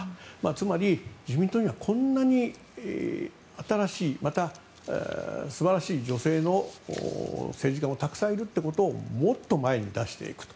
つまり、自民党にはこんなに新しいまた、素晴らしい女性の政治家もたくさんいることをもっと前に出していくと。